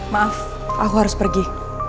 maaf aku harus pergi